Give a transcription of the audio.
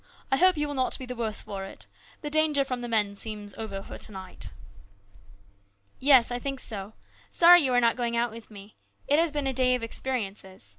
I hope you will not be the worse for it. The danger from the men seems over for to night." " Yes ; I think so. Sorry you are not going out with me. It has been a day of experiences.